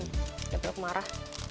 udah perlu kemarah